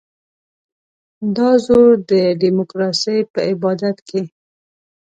دا زور د ډیموکراسۍ په عبادت کې.